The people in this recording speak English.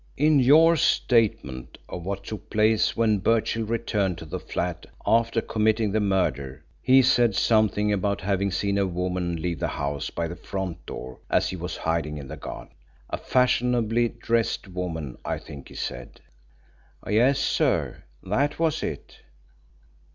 "In your statement of what took place when Birchill returned to the flat after committing the murder, he said something about having seen a woman leave the house by the front door as he was hiding in the garden a fashionably dressed woman I think he said." "Yes, sir, that was it."